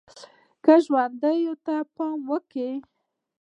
که ژوند ته پام وکړو